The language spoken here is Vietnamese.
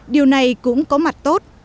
điều này cũng có mặt tốt